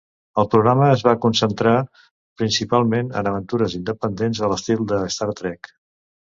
El programa es va concentrar principalment en aventures independents a l'estil de "Star Trek".